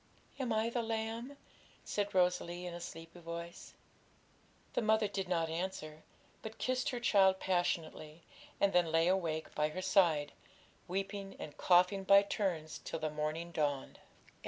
'Am I the lamb?' said Rosalie, in a sleepy voice. The mother did not answer, but kissed her child passionately, and then lay awake by her side, weeping and coughing by turns till the morning dawned.